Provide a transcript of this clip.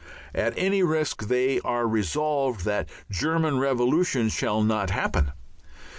At any risk they are resolved that that German revolution shall not happen.